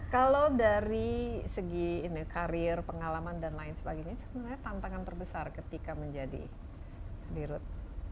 kalau dari segi karir pengalaman dan lain sebagainya sebenarnya tantangan terbesar ketika menjadi dirut